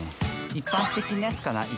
一般的なやつかな。